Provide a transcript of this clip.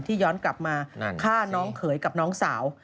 ย้อนกลับมาฆ่าน้องเขยกับน้องสาว